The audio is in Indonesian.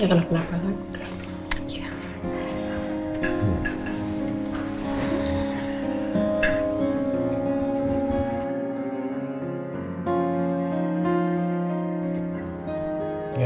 ya kalau kenapa kan